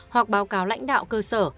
hoặc báo cáo lãnh đạo cơ sở